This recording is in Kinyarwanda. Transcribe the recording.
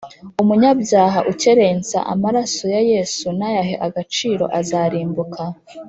Umunyabyaha ukerensa amaraso ya Yesu ntayahe agaciro azarimbuka